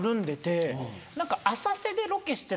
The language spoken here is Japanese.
何か。